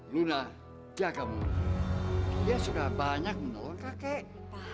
luna jaga luna dia sudah banyak menolong kakek